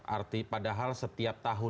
arti padahal setiap tahun